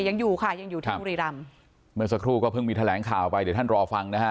ยังอยู่ค่ะยังอยู่ที่บุรีรำเมื่อสักครู่ก็เพิ่งมีแถลงข่าวไปเดี๋ยวท่านรอฟังนะฮะ